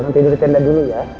tidur di tenda dulu ya